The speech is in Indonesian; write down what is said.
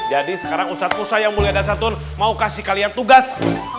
jadi sekarang ustadz kusa yang mulia dasar tun mau kasih kalian tugas